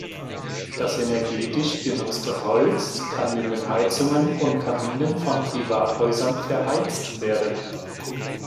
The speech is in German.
Das energetisch genutzte Holz kann in den Heizungen und Kaminen von Privathäusern verheizt werden.